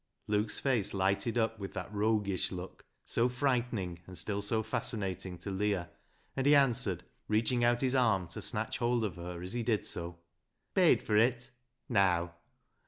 Luke's face lighted up with that roguish look, so frightening and still so fascinating to Leah, LEAH'S LOVER 107 and he answered, reaching out his arm to snatch hold of her as he did so —" Paid for it ? Neaw.